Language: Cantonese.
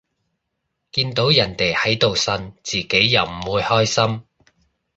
見到人哋喺度呻，自己又唔會開心